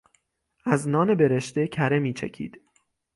از نان برشته کره میچکید.